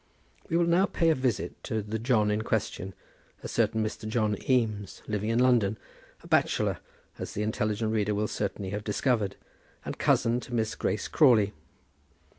We will now pay a visit to the John in question, a certain Mr. John Eames, living in London, a bachelor, as the intelligent reader will certainly have discovered, and cousin to Miss Grace Crawley.